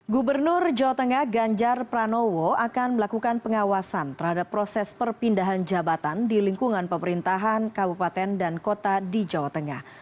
gubernur jawa tengah ganjar pranowo akan melakukan pengawasan terhadap proses perpindahan jabatan di lingkungan pemerintahan kabupaten dan kota di jawa tengah